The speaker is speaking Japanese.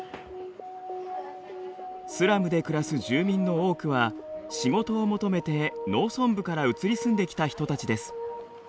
スラムで暮らす住民の多くは仕事を求めて農村部から移り住んできた人たちです。